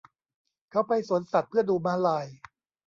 เขาไปสวนสัตว์เพื่อดูม้าลาย